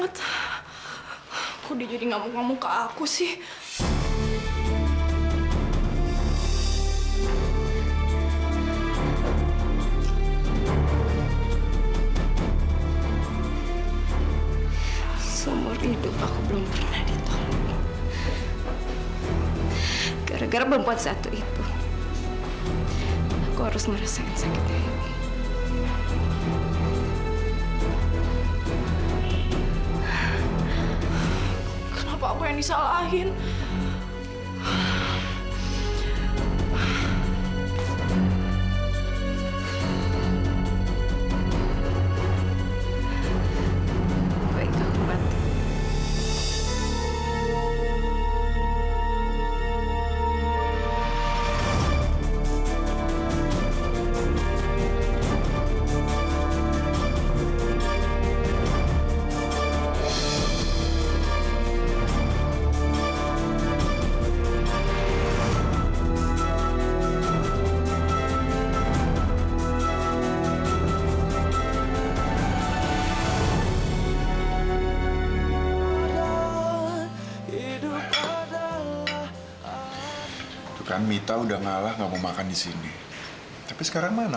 terus kamu mau apa